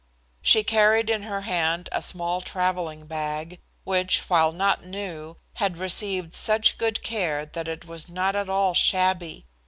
She carried in her hand a small traveling bag, which, while not new, had received such good care that it was not at all shabby.